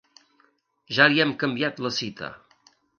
Ja li hem canviat la cita.